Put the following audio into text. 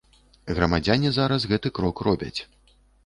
Грамадзяне зараз гэты крок робяць.